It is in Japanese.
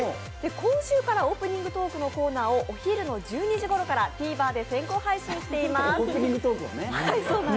今週からオープニングトークのコーナーをお昼の１２時ごろからＴＶｅｒで先行配信します。